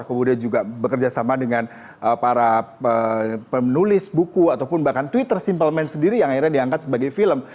kemudian juga bekerja sama dengan para penulis buku ataupun bahkan twitter simplemen sendiri yang akhirnya diangkat sebagai film